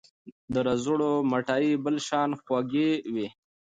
د رځړو مټايي بل شان خوږه وي